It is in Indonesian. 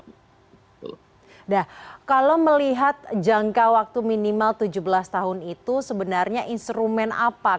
nah kalau melihat jangka waktu minimal tujuh belas tahun itu sebenarnya instrumen apa